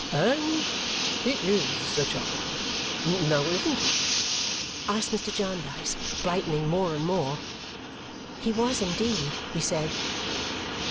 "And he IS a child. Now, isn't he?" asked Mr. Jarndyce, brightening more and more. He was indeed, we said.